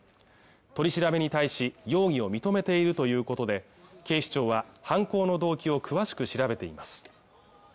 取り調べに対し容疑を認めているということで警視庁は犯行の動機を詳しく調べています